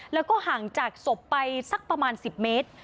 แล้วก็ห่างจากศพไปสักประมาณ๑๐เมตร